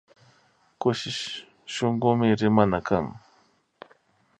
Kushi shunkumi rimana kan